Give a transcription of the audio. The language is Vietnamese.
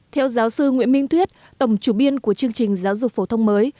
theo giáo sư nguyễn minh thuyết tổng chủ biên của chương trình giáo dục phổ thông mới